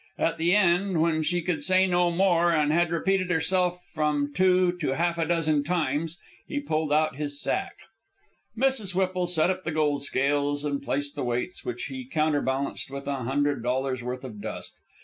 At the end, when she could say no more and had repeated herself from two to half a dozen times, he pulled out his sack. Mrs. Whipple set up the gold scales and placed the weights, which he counterbalanced with a hundred dollars' worth of dust.